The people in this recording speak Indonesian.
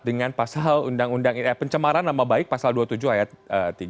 dengan pasal undang undang pencemaran nama baik pasal dua puluh tujuh ayat tiga